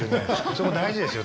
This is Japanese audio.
そこ大事ですよ